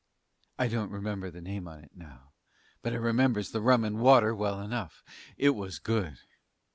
I don't remember the name on it now, but I remembers the rum and water well enough; it was good.